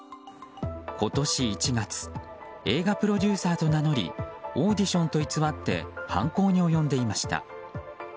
今年１月映画プロデューサーと名乗りオーディションと偽って犯行に及んでいました。